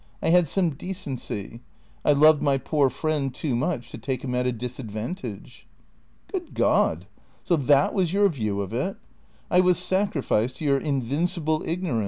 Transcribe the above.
I had some de cency. I loved my poor friend too much to take him at a disadvantage." "Good God! So that was your view of it? I was sacrificed to your invincible ignorance."